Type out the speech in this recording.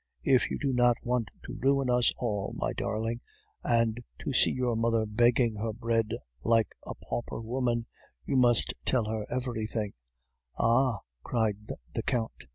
If you do not want to ruin us all, my darling, and to see your mother begging her bread like a pauper woman, you must tell her everything ' "'Ah!' cried the Count.